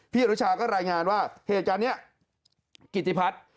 อนุชาก็รายงานว่าเหตุการณ์นี้กิติพัฒน์